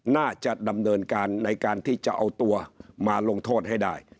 น่าจะดำเนินการในการที่จะเอาตัวมาลงโทษให้ได้